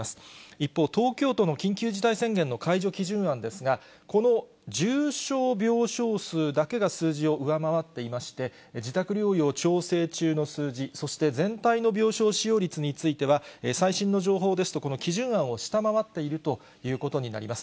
一方、東京都の緊急事態宣言の解除基準案ですが、この重症病床数だけが数字を上回っていまして、自宅療養調整中の数字、そして全体の病床使用率については、最新の情報ですと、基準案を下回っているということになります。